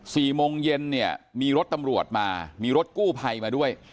สี่โมงเย็นเนี่ยมีรถตำรวจมามีรถกู้ภัยมาด้วย